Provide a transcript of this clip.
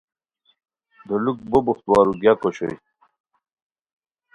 دولوک بو بوختووارو گیاک اوشوئے